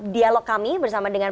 dialog kami bersama dengan